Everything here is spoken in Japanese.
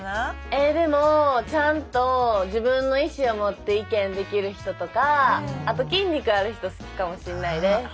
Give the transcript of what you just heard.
えっでもちゃんと自分の意思を持って意見できる人とかあと筋肉ある人好きかもしんないです。